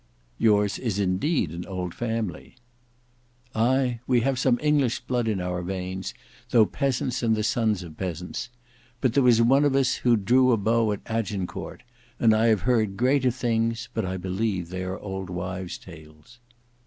"Yours is indeed an old family." "Ay, we have some English blood in our veins, though peasants and the sons of peasants. But there was one of us who drew a bow at Azincourt; and I have heard greater things, but I believe they are old wives' tales."